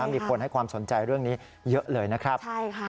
มีคนให้ความสนใจเรื่องนี้เยอะเลยนะครับ